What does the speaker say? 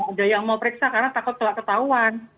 ada yang mau periksa karena takut telah ketahuan